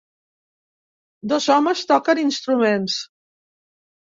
Dos homes toquen instruments